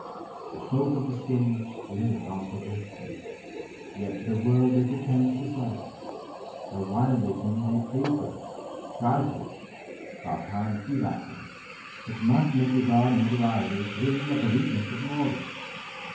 The folk of the stage Live on publicity, Yet to the world they pretend to dislike it, Though wildly to me they plead for it, cry for it, Ofttimes do that for it Which must make the God Notoriety Grin at the weakness of mortals.